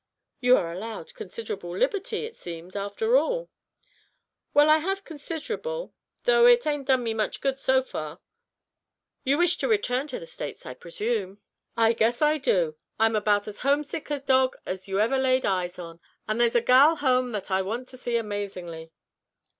"You are allowed considerable liberty, it seems, after all." "Well, I have considerable, though it hain't done me much good so fur." "You wish to return to the States, I presume." "I guess I do; I am about as homesick a dog as you ever laid eyes on, and there's a gal home that I want to see amazingly."